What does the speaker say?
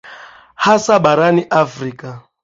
hasa barani afrika